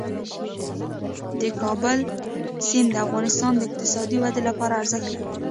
د کابل سیند د افغانستان د اقتصادي ودې لپاره ارزښت لري.